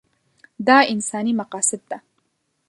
دا انساني مقاصد ده.